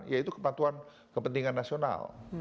yaitu kepatuhan kepentingan nasional